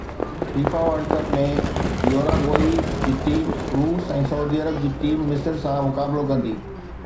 FIFA World Cup ۾ Uruguay جي team روس ۽ سعودي عرب جي ٽيم مصر سان مقابلو ڪندي